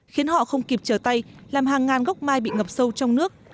khiến họ không kịp trở tay làm hàng ngàn gốc mai bị ngập sâu trong nước